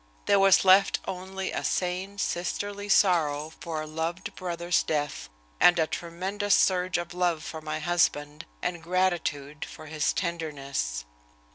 There was left only a sane, sisterly sorrow for a loved brother's death, and a tremendous surge of love for my husband, and gratitude for his tenderness.